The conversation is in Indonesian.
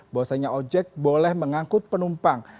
bahwasanya ojek boleh mengangkut penumpang